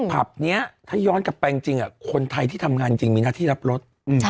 ผับนี้ถ้าย้อนกลับไปจริงคนไทยที่ทำงานจริงมีหน้าที่รับรถ